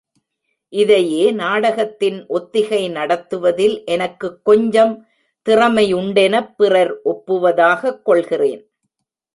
இதையே நாடகத்தின் ஒத்திகை நடத்துவதில் எனக்குக் கொஞ்சம் திறமையுண் டெனப் பிறர் ஒப்புவதாகக் கொள்கிறேன்.